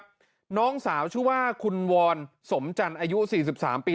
พี่พุทธครับน้องสาวชื่อว่าคุณวอนสมจันทร์อายุ๔๓ปี